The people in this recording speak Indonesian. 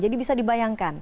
jadi bisa dibayangkan